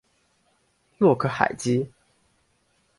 洛克海吉。